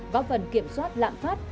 bao phần kiểm soát lạm phát